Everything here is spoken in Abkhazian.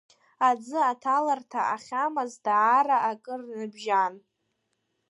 Аӡы аҭаларҭа ахьамаз даара акыр набжьан.